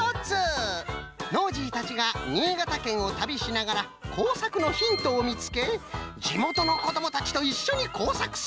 ノージーたちが新潟県を旅しながらこうさくのヒントをみつけじもとのこどもたちといっしょにこうさくする。